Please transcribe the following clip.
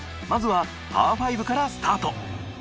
まずはパー５からスタート。